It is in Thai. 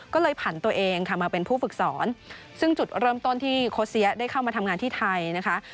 ก็เลยผ่านตัวเองค่ะมาเป็นผู้ฝึกสอนซึ่งจุดเริ่มต้นที่โคเซียได้เข้ามาทำงานที่ไทยนะคะ